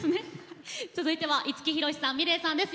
続いては五木ひろしさんｍｉｌｅｔさんです。